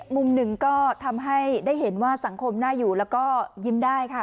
มุมหนึ่งก็ทำให้ได้เห็นว่าสังคมน่าอยู่แล้วก็ยิ้มได้ค่ะ